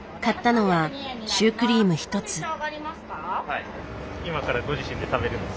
買ったのはシュークリーム１つ。